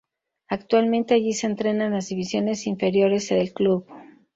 Actualmente allí se entrenan las divisiones inferiores del club.